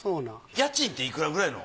家賃っていくらくらいの。